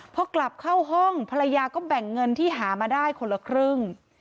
พอกลับเข้าห้องภรรยาก็แบ่งเงินที่หามาได้คนละครึ่ง